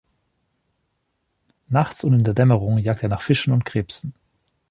Nachts und in der Dämmerung jagt er nach Fischen und Krebsen.